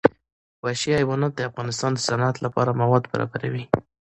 وحشي حیوانات د افغانستان د صنعت لپاره مواد برابروي.